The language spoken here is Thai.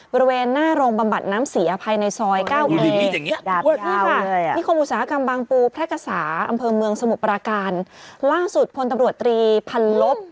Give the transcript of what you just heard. บริเวณหน้าโรงบำบัดน้ำเสีย